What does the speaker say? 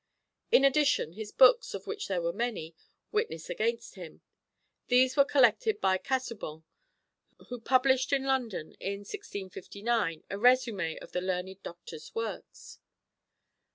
In addition his books, of which there were many, witness against him. These were collected by Casaubon, who published in London in 1659 a résumé of the learned doctor's works.